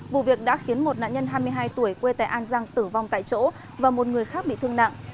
vụ việc đã khiến một nạn nhân hai mươi hai tuổi quê tại an giang tử vong tại chỗ và một người khác bị thương nặng